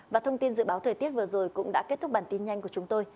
và thông tin dự báo thời tiết vừa rồi cũng đã kết thúc bản tin nhanh của chúng tôi